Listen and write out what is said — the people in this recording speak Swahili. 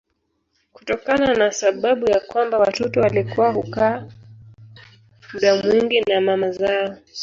Kutokana na sababu ya kwamba watoto walikuwa hukaa muda mwingi na mama zao